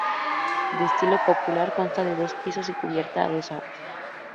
De estilo popular, consta de dos pisos y cubierta a dos aguas.